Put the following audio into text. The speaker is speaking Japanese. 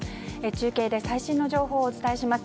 中継で最新の情報をお伝えします。